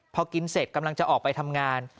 พอกินเสร็จกำลังจะออกไปทำงาน